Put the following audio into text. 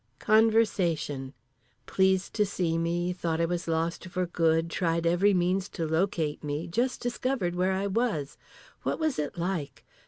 Conversation. Pleased to see me. Thought I was lost for good. Tried every means to locate me. Just discovered where I was. What was it like?